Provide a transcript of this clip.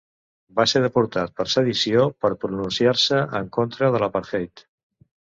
Va ser deportat per sedició per pronunciar-se en contra de l'apartheid.